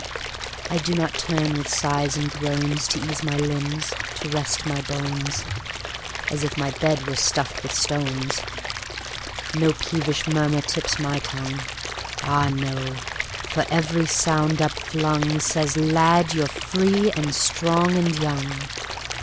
I do not turn with sighs and groans To ease my limbs, to rest my bones, As if my bed were stuffed with stones, No peevish murmur tips my tongue Ah no! for every sound upflung Says: "Lad, you're free and strong and young."